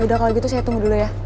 udah kalau gitu saya tunggu dulu ya